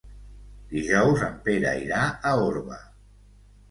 Dijous en Pere irà a Orba.